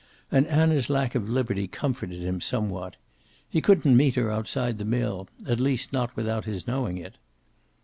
And Anna's lack of liberty comforted him somewhat. He couldn't meet her outside the mill, at least not without his knowing it.